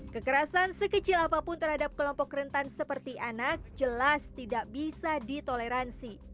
kekerasan sekecil apapun terhadap kelompok rentan seperti anak jelas tidak bisa ditoleransi